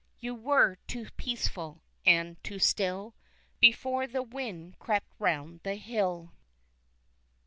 You were too peaceful, and too still Before the wind crept round the hill.